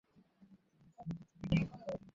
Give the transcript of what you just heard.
দুই দিন পর এসে দেখা করো, কেমন?